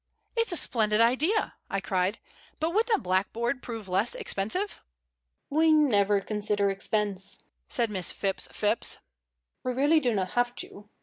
"It's a splendid idea!" I cried. "But wouldn't a blackboard prove less expensive?" "We never consider expense," said Miss Phipps Phipps. "We really do not have to.